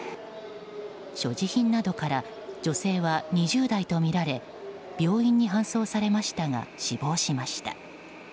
所持品などから女性は２０代とみられ病院に搬送されましたが死亡しました。